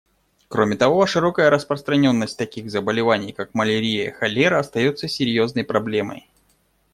Кроме того, широкая распространенность таких заболеваний, как малярия и холера, остается серьезной проблемой.